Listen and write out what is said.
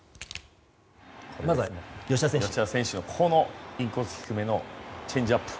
吉田選手のインコース低めのチェンジアップ。